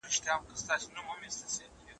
مځکه هغه سوځي، چي اور پر بل وي.